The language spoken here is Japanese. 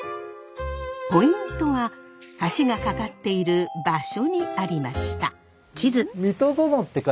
ポイントは橋がかかっている場所にありました。